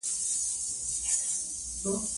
سرښندنه د خپلواکۍ بیه ده.